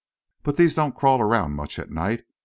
But these don't crawl around much at night.